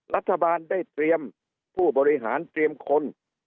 รัฐบาลได้เตรียมผู้บริหารเตรียมคน